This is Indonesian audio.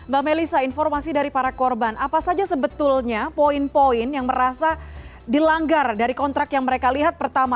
mbak melisa informasi dari para korban apa saja sebetulnya poin poin yang merasa dilanggar dari kontrak yang mereka lihat pertama